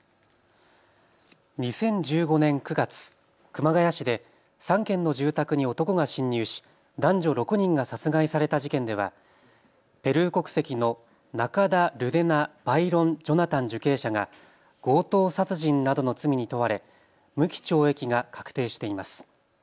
２０１５年９月、熊谷市で３軒の住宅に男が侵入し男女６人が殺害された事件ではペルー国籍のナカダ・ルデナ・バイロン・ジョナタン受刑者が強盗殺人などの罪に問われ無期懲役が確定しています。